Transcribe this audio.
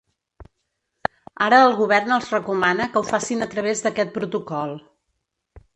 Ara el govern els recomana que ho facin a través d’aquest protocol.